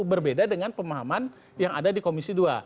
berbeda dengan pemahaman yang ada di komisi dua